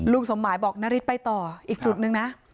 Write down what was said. สมหมายบอกนาริสไปต่ออีกจุดนึงนะ